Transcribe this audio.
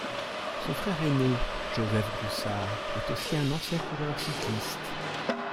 Son frère aîné, Joseph Groussard, est aussi un ancien coureur cycliste.